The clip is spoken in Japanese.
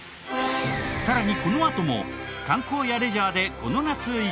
さらにこのあとも観光やレジャーでこの夏行きたい！